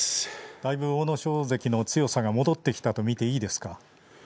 だいぶ阿武咲関の強さが戻ってきたと見ていいですか？